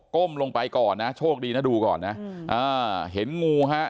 ้มลงไปก่อนนะโชคดีนะดูก่อนนะอ่าเห็นงูฮะ